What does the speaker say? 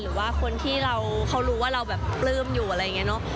หรือว่าคนที่เขารู้ว่าเราแบบปลื้มอยู่อะไรอย่างนี้เนอะ